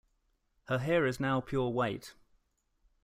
Her hair is now pure white.